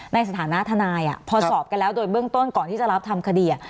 ในฐานะทนายพอสอบกันแล้วโดยเบื้องต้นก่อนที่จะรับทำคดี